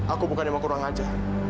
aku bukan yang mau kurang aja